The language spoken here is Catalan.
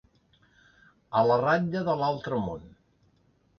A la ratlla de l'altre món.